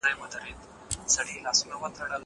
بیده به وي داخلک چي یې نه اوري واصله